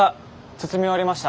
包み終わりました。